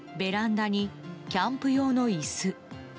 ベランダにキャンプ用の椅子。